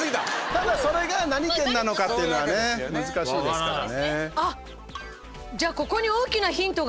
ただ、それが何県なのかっていうのはね難しいですからね。